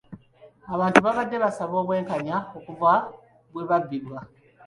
Abantu babadde basaba obwenkanya okuva lwe babbibwa.